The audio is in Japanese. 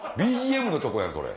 ＢＧＭのとこやそれ。